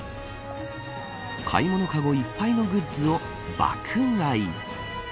買い物かごいっぱいのグッズを爆買い。